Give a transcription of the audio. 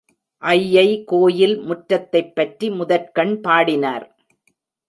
ஐயை கோயில் முற்றத்தைப்பற்றி முதற்கண் பாடினர்.